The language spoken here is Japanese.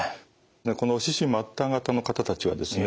この四肢末端型の方たちはですね